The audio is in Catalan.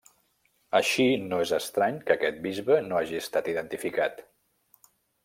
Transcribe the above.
Així no és estrany que aquest bisbe no hagi estat identificat.